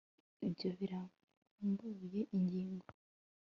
ibyo birambuye ingingo